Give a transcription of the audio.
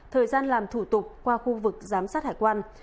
thời gian làm thủ tục qua khu vực giám sát hải quan